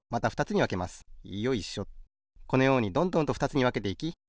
このようにどんどんとふたつにわけていき２